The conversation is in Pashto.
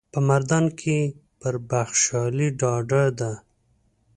په مردان کې پر بخشالي ډاډه ده.